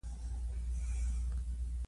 پښتو ادب کې رښتینولي یو اصل دی.